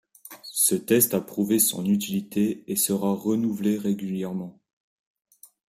Ce test a prouvé son utilité et sera renouvelé régulièrement.